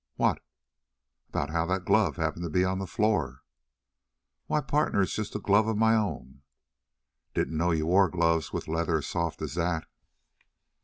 "What?" "About how that glove happened to be on the floor." "Why, partner, it's just a glove of my own." "Didn't know you wore gloves with a leather as soft as that."